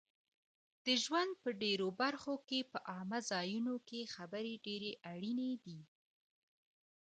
د ژوند په ډېرو برخو کې په عامه ځایونو کې خبرې ډېرې اړینې دي